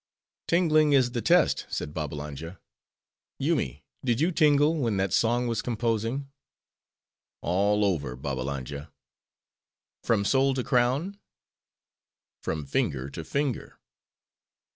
"Tingling is the test," said Babbalanja, "Yoomy, did you tingle, when that song was composing?" "All over, Babbalanja." "From sole to crown?" "From finger to finger."